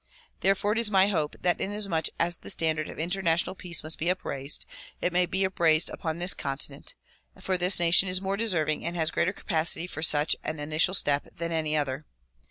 There fore it is my hope that inasmuch as the standard of international peace must be upraised it may be upraised upon this continent, for this nation is more deserving and has greater capacity for such an initial step than any other.